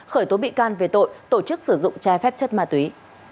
khởi tố bị can về tội tổ chức sử dụng trái phép chất ma túy